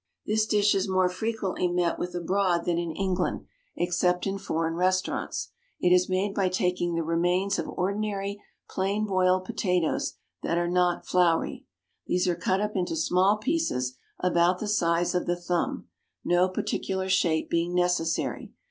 This dish is more frequently met with abroad than in England, except in foreign restaurants. It is made by taking the remains of ordinary plain boiled potatoes that are not floury. These are cut up into small pieces about the size of the thumb, no particular shape being necessary.